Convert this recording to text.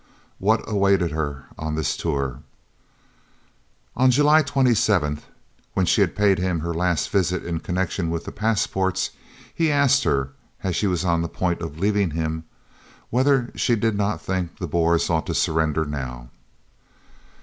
What awaited her on this tour? On July 27th, when she paid him her last visit in connection with her passports, he asked her, as she was on the point of leaving him, whether she did not think the Boers ought to surrender now.